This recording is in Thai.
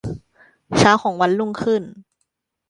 เช้าของวันรุ่งขึ้น